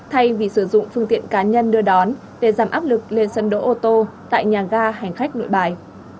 thay vì sử dụng phương tiện cá nhân đưa đón để giảm áp lực lên sân đỗ ô tô tại nhà ga hành khách nội bài